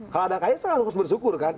kalau ada kaya saya harus bersyukur kan